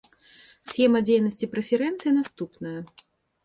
Схема дзейнасці прэферэнцый наступная.